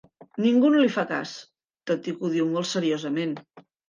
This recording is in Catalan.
Ningú no li fa cas, tot i que ho diu molt seriosament.